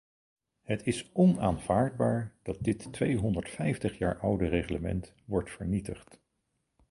Het is onaanvaardbaar dat dit tweehonderdvijftig jaar oude reglement wordt vernietigd.